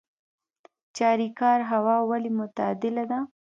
چاریکار هوا ولې معتدله ده؟